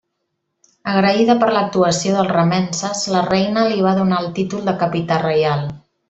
Agraïda per l'actuació dels remences, la reina li va donar el títol de Capità Reial.